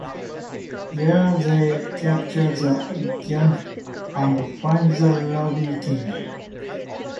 There they capture the gang and find the Ruby King.